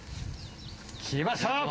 来ました！